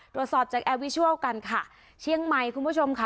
ตรวจสอบจากแอร์วิชัลกันค่ะเชียงใหม่คุณผู้ชมค่ะ